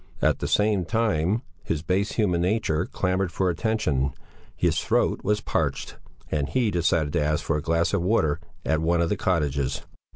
At the same time his base human nature clamoured for attention: his throat was parched, and he decided to ask for a glass of water at one of the cottages.